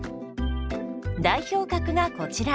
代表格がこちら。